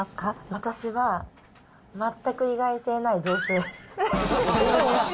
私は、まったく意外性ない雑炊。